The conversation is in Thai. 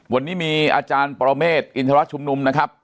วันนี้มีอาจารย์ปรเมฆอินทรชุมนุมนะครับ